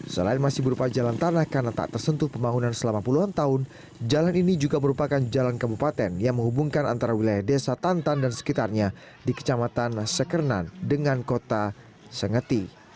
selain masih berupa jalan tanah karena tak tersentuh pembangunan selama puluhan tahun jalan ini juga merupakan jalan kabupaten yang menghubungkan antara wilayah desa tantan dan sekitarnya di kecamatan sekernan dengan kota sengeti